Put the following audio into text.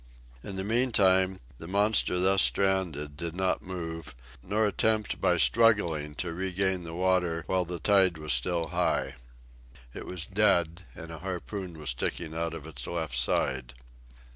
In the meanwhile, the monster thus stranded did not move, nor attempt by struggling to regain the water while the tide was still high. It was dead, and a harpoon was sticking out of its left side.